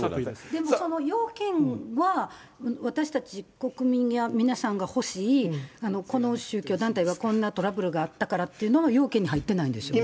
でもその要件は、私たち国民や皆さんが欲しいこの宗教団体はこんなトラブルがあったからっていうのは、要件に入ってないんですよね。